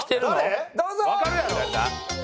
どうぞ！